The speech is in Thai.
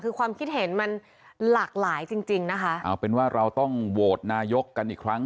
คือความคิดเห็นมันหลากหลายจริงจริงนะคะเอาเป็นว่าเราต้องโหวตนายกกันอีกครั้ง